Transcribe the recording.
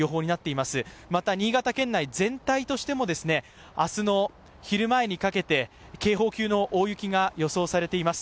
また、新潟県内全体としても、明日の昼前にかけて警報級の大雪が予想されています。